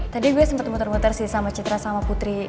tadi gue sempat muter muter sih sama citra sama putri